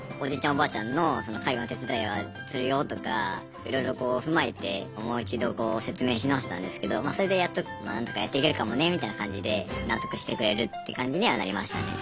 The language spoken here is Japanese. おばあちゃんの介護の手伝いはするよとかいろいろこう踏まえてもう一度こう説明し直したんですけどそれでやっと「まあ何とかやっていけるかもね」みたいな感じで納得してくれるって感じにはなりましたね。